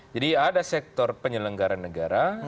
jadi ada sektor penyelenggara negara